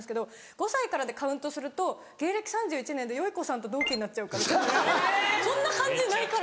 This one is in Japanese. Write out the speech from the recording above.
５歳からでカウントすると芸歴３１年でよゐこさんと同期になっちゃうからそれはそんな感じないから！